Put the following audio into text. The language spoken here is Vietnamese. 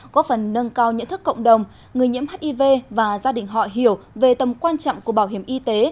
có phần nâng cao nhận thức cộng đồng người nhiễm hiv và gia đình họ hiểu về tầm quan trọng của bảo hiểm y tế